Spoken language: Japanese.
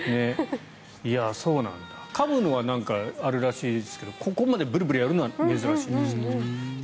かむのはあるらしいですけどここまでぶるぶるやるのは珍しいんですって。